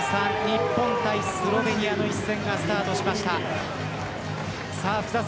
日本対スロベニアの一戦がスタートしました。